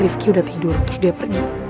rifki udah tidur terus dia pergi